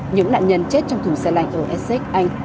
những nạn nhân chết trong thùng xe lạnh ở essex anh